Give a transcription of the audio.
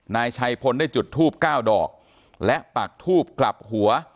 นายชัยพลได้จุดทูบ๙ดอกและปากทูบกลับหัว